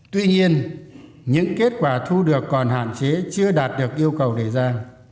tuy nhiên những kết quả thu được còn hạn chế chưa đạt được yêu cầu đề ra